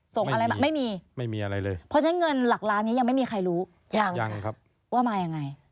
ส่งอะไรมาไม่มีเพราะฉะนั้นเงินหลักล้านนี้ยังไม่มีใครรู้ว่ามายังไง